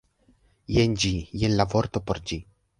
Jen ĝi, jen la vorto por ĝi